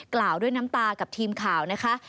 กล่าวด้วยน้ำตากับทีมข่าวนะคะ